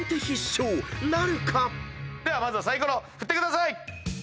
まずはサイコロ振ってください。